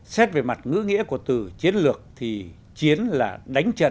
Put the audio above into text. xét về mặt ngữ nghĩa của từ chiến lược thì chiến là đánh trận